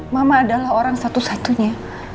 mama adalah orang satu satunya